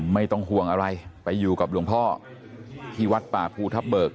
ไม่ต้องห่วงอะไรไปอยู่กับหลวงพ่อที่วัดป่าภูทับเบิก